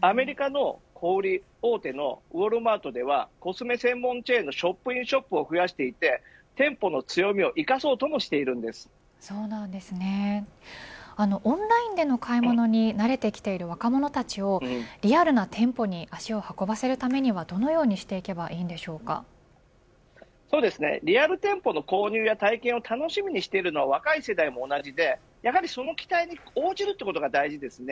アメリカの小売り大手のウォルマートでもコスメ専門チェーンのショップインショップを増やしていて店舗の強みをオンラインでの買い物に慣れてきている若者たちをリアルな店舗に足を運ばせるためにはどのようにしていけばリアル店舗の購入や体験を楽しみにしているのは若い世代も同じでその期待に応じるというのが大事です。